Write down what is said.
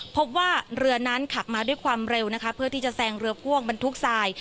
พบว่าเรือนั้นขับมาด้วยความเร็วนะคะเพื่อที่จะแซงเรือพ่วงบรรทุกทราย